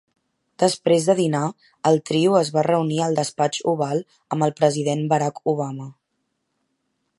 Després de dinar, el trio es va reunir al despatx Oval amb el president Barack Obama.